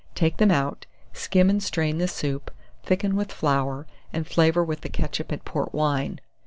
Take them out, skim and strain the soup, thicken with flour, and flavour with the ketchup and port wine.